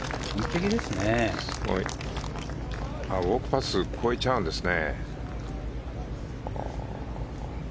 ウォークパス越えちゃうんですね。